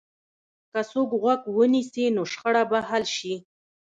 که څوک غوږ ونیسي، نو شخړه به حل شي.